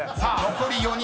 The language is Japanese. ［残り４人。